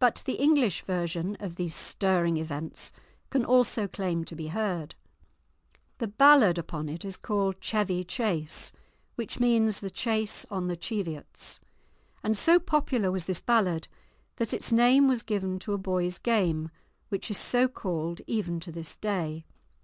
But the English version of these stirring events can also claim to be heard; the ballad upon it is called Chevy Chase, which means the Chase on the Cheviots; and so popular was this ballad that its name was given to a boys' game, which is so called even to this day.